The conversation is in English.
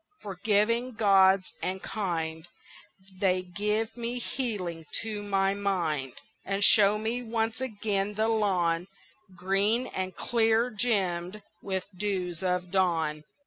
forgiving gods and kind, They give me healing to my mind, And show me once again the lawn Green and clear gemmed with dews of dawn.